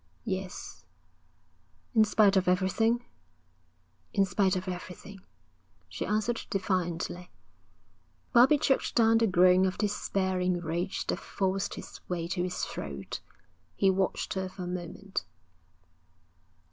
'Yes.' 'In spite of everything?' 'In spite of everything,' she answered defiantly. Bobbie choked down the groan of despairing rage that forced its way to his throat. He watched her for a moment.